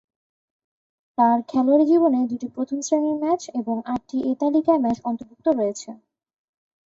তার খেলোয়াড়ি জীবনে দুটি প্রথম-শ্রেণীর ম্যাচ এবং আটটি এ তালিকার ম্যাচ অন্তর্ভুক্ত রয়েছে।